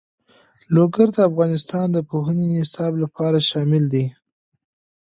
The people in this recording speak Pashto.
لوگر د افغانستان د پوهنې نصاب کې شامل دي.